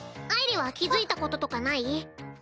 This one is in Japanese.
あいりは気付いたこととかない？